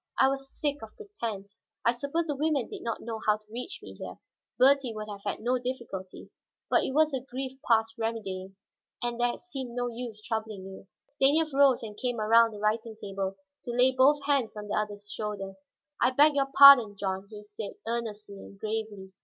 I was sick of pretense. I suppose the women did not know how to reach me here; Bertie would have had no difficulty. But it was a grief past remedying, and there seemed no use troubling you." Stanief rose and came around the writing table to lay both hands on the other's shoulders. "I beg your pardon, John," he said earnestly and gravely.